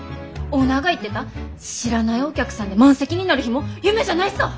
オーナーが言ってた知らないお客さんで満席になる日も夢じゃないさ！